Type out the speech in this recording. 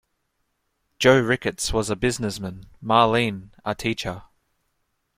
Joe Ricketts was a businessman; Marlene, a teacher.